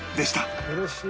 うれしい。